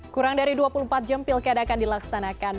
kurang dari dua puluh empat jam pilkada akan dilaksanakan